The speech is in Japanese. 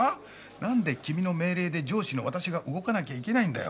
なんで君の命令で上司の私が動かなきゃいけないんだよ。